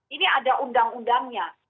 ini ada undang undangnya